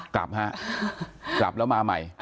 กลับฮะกลับแล้วมาใหม่